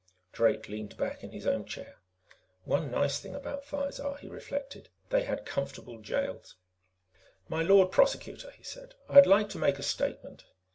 Drake leaned back in his own chair. One thing nice about Thizar, he reflected; they had comfortable jails. "My Lord Prosecutor," he said, "I'd like to make a statement.